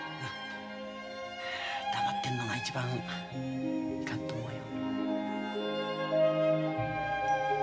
黙ってんのが一番いかんと思うよ。